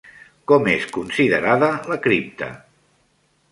Com és considerada la cripta?